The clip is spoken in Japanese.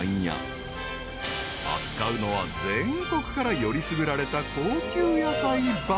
［扱うのは全国からよりすぐられた高級野菜ばかり］